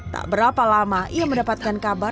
tak berapa lama ia mendapatkan uang tabungan